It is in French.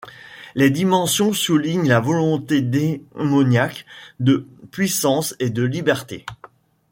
Les dimensions soulignent la volonté démoniaque de puissance et de liberté.